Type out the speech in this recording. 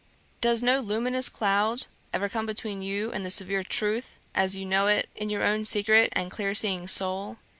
Does no luminous cloud ever come between you and the severe Truth, as you know it in your own secret and clear seeing soul?